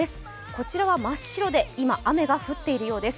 こちらは真っ白で今雨が降っているようです。